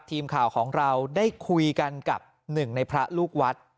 ทีมข่าวของเราได้คุยกันกับหนึ่งในพระลูกวัด